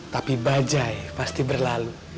tapi bajai pasti berlalu